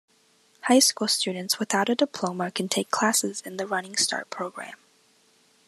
High school students without a diploma can take classes in the Running Start program.